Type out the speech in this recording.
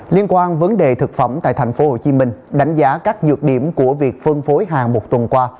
liên quan vấn đề thực phẩm tại thành phố hồ chí minh đánh giá các dược điểm của việc phân phối hàng một tuần qua